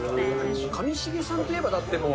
上重さんといえば、だってもう。